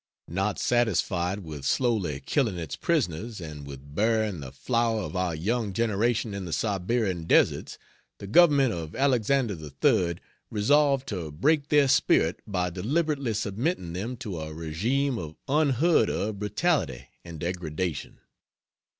Not satisfied with slowly killing its prisoners, and with burying the flower of our young generation in the Siberian desserts, the Government of Alexander III. resolved to break their spirit by deliberately submitting them to a regime of unheard of brutality and degradation."